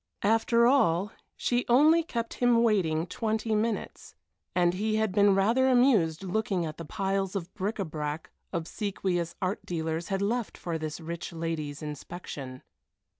After all, she only kept him waiting twenty minutes, and he had been rather amused looking at the piles of bric à brac obsequious art dealers had left for this rich lady's inspection.